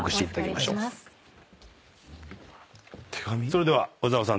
それでは小澤さん